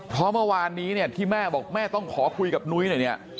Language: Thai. เพราะเมื่อวานนี้เนี่ยที่แม่บอกแม่ต้องขอคุยกับนุ้ยหน่อยเนี่ย